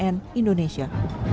tim liputan cnn indonesia